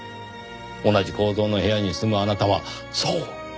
同じ構造の部屋に住むあなたはそう！